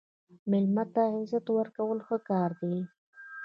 مېلمه ته عزت ورکول ښه کار دی.